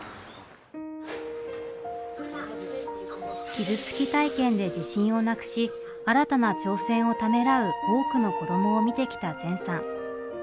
傷つき体験で自信をなくし新たな挑戦をためらう多くの子どもを見てきた善さん。